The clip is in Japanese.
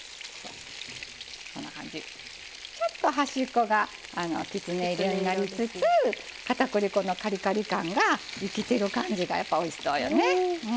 ちょっと端っこがきつね色になりつつかたくり粉のカリカリ感が生きている感じがおいしそうよね。